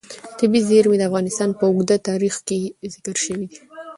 طبیعي زیرمې د افغانستان په اوږده تاریخ کې ذکر شوی دی.